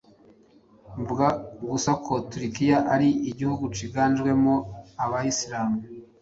Mvuga gusa ko Turkia ari igihugu ciganjemwo aba Islam –